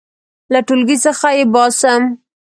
• له ټولګي څخه یې باسم.